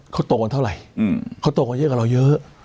เขาโตกันเท่าไหร่เขาโตกันเยอะกว่าเราเยอะ